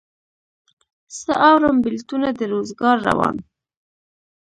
څه اورم بېلتونه د روزګار روان